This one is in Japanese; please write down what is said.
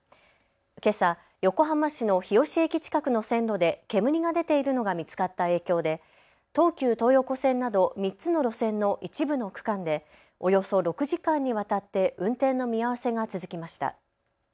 けさ横浜市の日吉駅近くの線路で煙が出ているのが見つかった影響で東急東横線など３つの路線の一部の区間でおよそ６時間にわたって運転の見合わせが続きました。